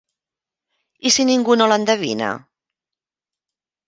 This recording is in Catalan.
I si ningú no l'endevina?